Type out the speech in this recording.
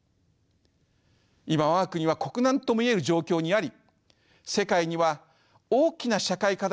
今我が国は国難ともいえる状況にあり世界には大きな社会課題が山積しています。